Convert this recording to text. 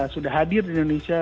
sudah hadir di indonesia